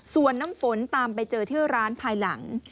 ส่วนน้ำฝนตามไปเจอที่ร้านภายหลัง